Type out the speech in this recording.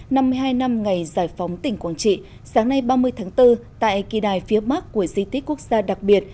năm mươi hai năm ngày giải phóng tỉnh quảng trị sáng nay ba mươi tháng bốn tại kỳ đài phía mắc của di tích quốc gia đặc biệt